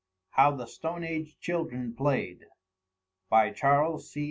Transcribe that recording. HOW THE STONE AGE CHILDREN PLAYED By Charles C.